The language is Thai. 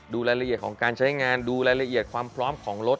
ดูรายละเอียดของการใช้งานดูรายละเอียดความพร้อมของรถ